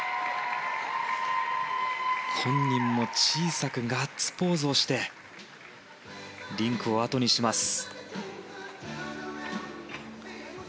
本人も小さくガッツポーズをしてリンクをあとにします。